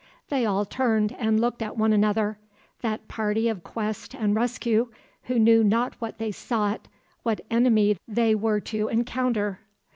They all turned and looked at one another, that party of quest and rescue who knew not what they sought, what enemy they were to encounter.